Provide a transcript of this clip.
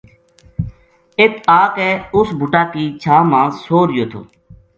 اِت آ کے اس بوٹا کی چھاں ما سو رہیو تھو